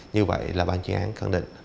như vậy là bàn chuyên án cân định